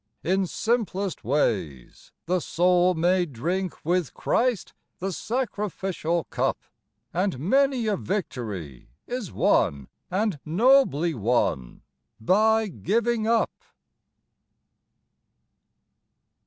In simplest ways the soul may drink With Christ the sacrificial cup, And many a victory is won, And nobly won, by 'giving up.'